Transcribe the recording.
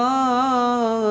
lanjut ke duniawi akan selesai